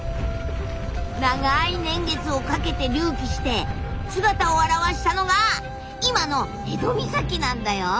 長い年月をかけて隆起して姿を現したのが今の辺戸岬なんだよ。